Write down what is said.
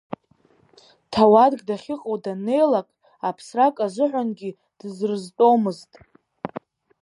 Ҭауадк дахьыҟоу даннеилак, аԥсрак азыҳәангьы дырзыртәомызт.